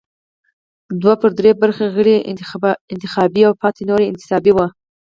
دوه پر درې برخه غړي یې انتخابي او پاتې نور انتصابي وو.